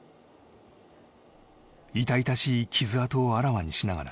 痛々しい傷痕をあらわにしながら